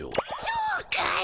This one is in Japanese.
そうかい！